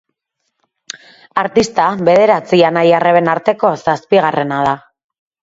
Artista bederatzi anai-arreben arteko zazpigarrena da.